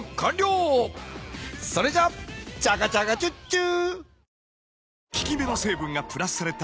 それじゃチャガチャガチューチュー！